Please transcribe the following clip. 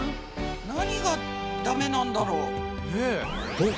何がダメなんだろう？ね。